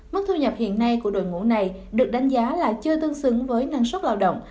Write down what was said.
mức thu nhập hiện nay của đội ngũ này được đánh giá là chưa tương xứng với năng suất lao động